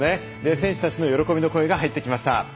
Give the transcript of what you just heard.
選手たちの喜びの声が入ってきました。